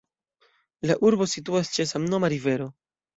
La urbo situas ĉe samnoma rivero.